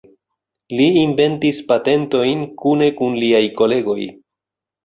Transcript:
Li inventis patentojn kune kun liaj kolegoj.